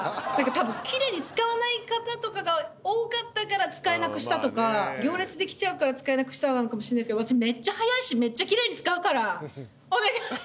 たぶん奇麗に使わない方とかが多かったから使えなくしたとか行列できるから使えなくしたかもしれないですけど私早いしめっちゃ奇麗に使うからお願い！